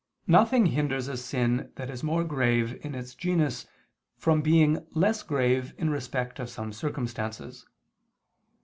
1: Nothing hinders a sin that is more grave in its genus from being less grave in respect of some circumstances.